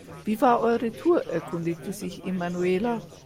Wie war eure Tour?, erkundigte sich Emanuela.